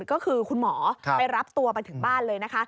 ก็คือคุณหมอไปรับตัวไปถึงบ้านเลยนะคะ